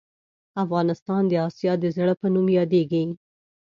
افغانستان د اسیا د زړه په نوم یادیږې